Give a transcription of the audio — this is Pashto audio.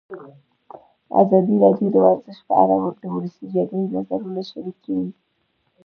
ازادي راډیو د ورزش په اړه د ولسي جرګې نظرونه شریک کړي.